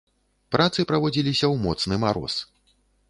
Працы праводзіліся ў моцны мароз.